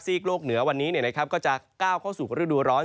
โลกเหนือวันนี้ก็จะก้าวเข้าสู่ฤดูร้อน